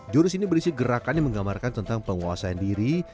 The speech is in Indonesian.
jurus ini berisi gerakan yang menggambarkan tentang penguasaan diri